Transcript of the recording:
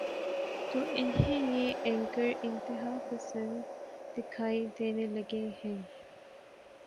تو انہیں یہ اینکر انتہا پسند دکھائی دینے لگے ہیں۔